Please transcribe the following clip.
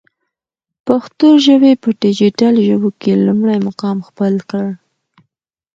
پښتو ژبی په ډيجيټل ژبو کی لمړی مقام خپل کړ.